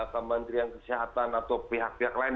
kementerian kesehatan atau pihak pihak lain